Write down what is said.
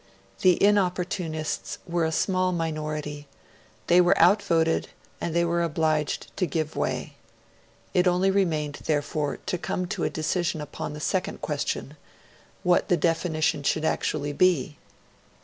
The Inopportunists were a small minority; they were outvoted, and they were obliged to give way. It only remained, therefore, to come to a decision upon the second question what the definition should actually be.